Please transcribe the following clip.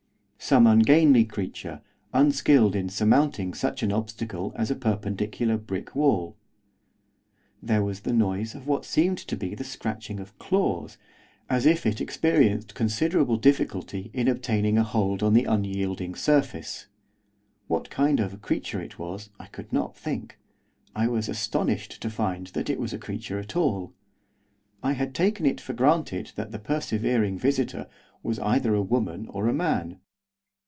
Some ungainly creature, unskilled in surmounting such an obstacle as a perpendicular brick wall. There was the noise of what seemed to be the scratching of claws, as if it experienced considerable difficulty in obtaining a hold on the unyielding surface. What kind of creature it was I could not think, I was astonished to find that it was a creature at all. I had taken it for granted that the persevering visitor was either a woman or a man.